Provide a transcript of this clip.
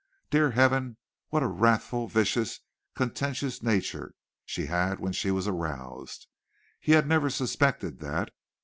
Dear Heaven! what a wrathful, vicious, contentious nature she had when she was aroused. He had never suspected that.